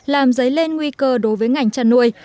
làm dấy lên nguy cơ đối với ngành chăn nuôi